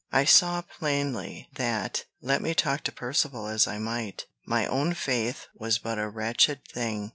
I saw plainly, that, let me talk to Percivale as I might, my own faith was but a wretched thing.